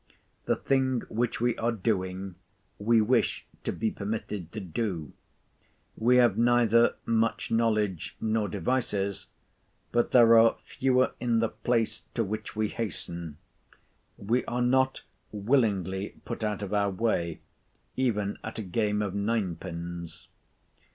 The thing which we are doing, we wish to be permitted to do. We have neither much knowledge nor devices; but there are fewer in the place to which we hasten. We are not willingly put out of our way, even at a game of nine pins.